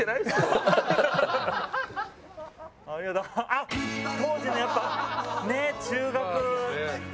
あっ当時のやっぱねえ。